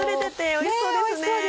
おいしそうですよね。